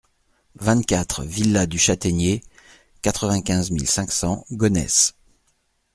vingt-quatre villa du Chataignier, quatre-vingt-quinze mille cinq cents Gonesse